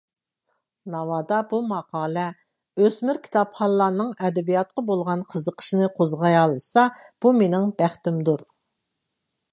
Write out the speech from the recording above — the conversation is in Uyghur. ناۋادا بۇ ماقالە ئۆسمۈر كىتابخانلارنىڭ ئەدەبىياتقا بولغان قىزىقىشىنى قوزغىيالىسا، بۇ مېنىڭ بەختىمدۇر.